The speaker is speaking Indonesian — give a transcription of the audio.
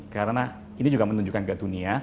karena ini juga menunjukkan ke dunia